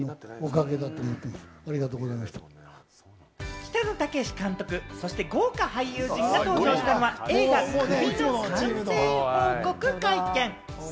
北野武監督、そして豪華俳優陣が登場したのは映画『首』の完成報告会見。